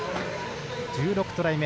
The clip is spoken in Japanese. １６トライ目。